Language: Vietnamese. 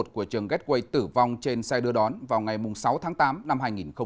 của trường gateway tử vong trên xe đưa đón vào ngày sáu tháng tám năm hai nghìn một mươi chín